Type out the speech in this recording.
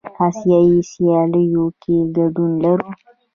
آسیایي سیالیو کې ګډون لرو.